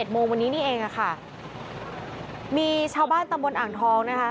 โมงวันนี้นี่เองค่ะมีชาวบ้านตำบลอ่างทองนะคะ